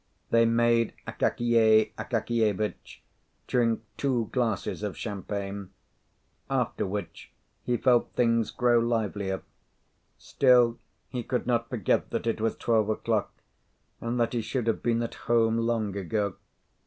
They made Akakiy Akakievitch drink two glasses of champagne, after which he felt things grow livelier. Still, he could not forget that it was twelve o'clock, and that he should have been at home long ago.